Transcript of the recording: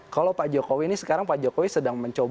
kalau pak jokowi ini sekarang pak jokowi sedang mencoba